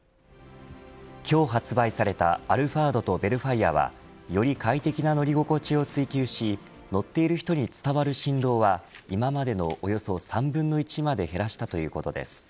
今日発売されたアルファードとヴェルファイアはより快適な乗り心地を追求し乗っている人に伝わる振動は今までのおよそ３分の１まで減らしたということです。